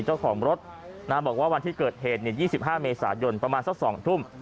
เจ้าของรถนะฮะบอกว่าวันที่เกิดเหตุเนี่ยยี่สิบห้าเมษายนประมาณสักสองทุ่ม